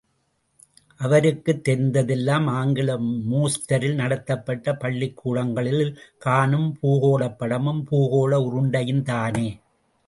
அவருக்குத் தெரிந்ததெல்லாம் ஆங்கில மோஸ்தரில் நடத்தப்பட்ட பள்ளிக்கூடங்களில் காணும் பூகோளப் படமும் பூகோள உருண்டையும் தானே!